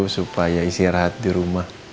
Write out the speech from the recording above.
supaya istirahat di rumah